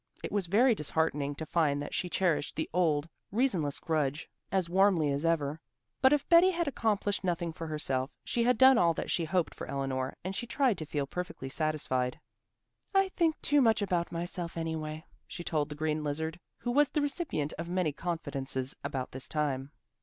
It was very disheartening to find that she cherished the old, reasonless grudge as warmly as ever. But if Betty had accomplished nothing for herself, she had done all that she hoped for Eleanor, and she tried to feel perfectly satisfied. "I think too much about myself, anyway," she told the green lizard, who was the recipient of many confidences about this time.